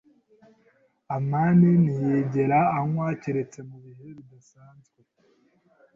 amani ntiyigera anywa keretse mu bihe bidasanzwe.